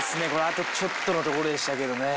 あとちょっとのところでしたけどね。